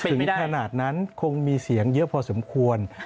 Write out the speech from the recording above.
ถึงขนาดนั้นคงมีเสียงเยอะพอสมควร